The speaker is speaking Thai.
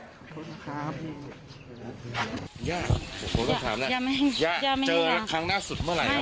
ย่าย่าไม่คิดว่ามันงาน